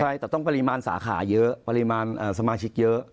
ใช่แต่ต้องปริมาณสาขาเยอะปริมาณสมาชิกเยอะ